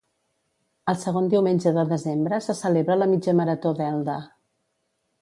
El segon diumenge de desembre se celebra la Mitja Marató d'Elda.